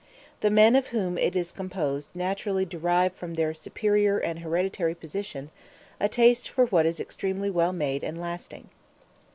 The men of whom it is composed naturally derive from their superior and hereditary position a taste for what is extremely well made and lasting.